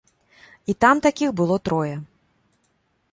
І там такіх было трое.